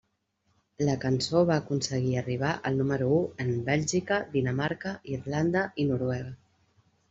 La cançó va aconseguir arribar al número u en Bèlgica, Dinamarca, Irlanda i Noruega.